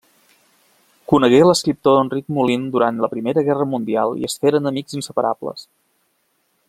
Conegué l'escriptor Enric Molin durant la Primera Guerra Mundial i es feren amics inseparables.